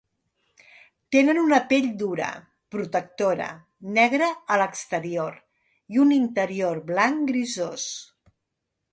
Tenen una pell dura, protectora, negra a l'exterior i un interior blanc grisós.